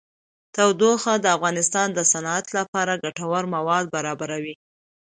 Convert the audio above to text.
تودوخه د افغانستان د صنعت لپاره ګټور مواد برابروي.